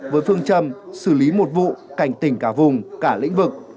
với phương châm xử lý một vụ cảnh tỉnh cả vùng cả lĩnh vực